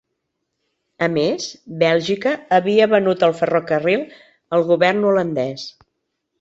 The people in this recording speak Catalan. A més, Bèlgica havia venut el ferrocarril al govern holandès.